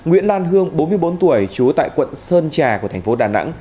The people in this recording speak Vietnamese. nguyễn lan hương bốn mươi bốn tuổi trú tại quận sơn trà của thành phố đà nẵng